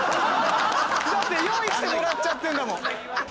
だって用意してもらっちゃってるんだもん。